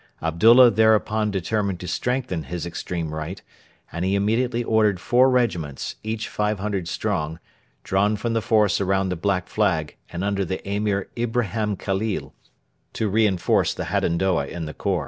Abdullah thereupon determined to strengthen his extreme right; and he immediately ordered four regiments, each 500 strong, drawn from the force around the Black Flag and under the Emir Ibrahim Khalil, to reinforce the Hadendoa in the khor.